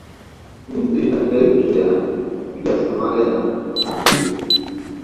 Misri na Eritrea pia Somalia na Djibouti